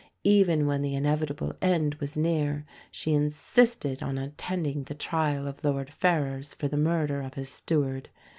Even when the inevitable end was near she insisted on attending the trial of Lord Ferrers for the murder of his steward.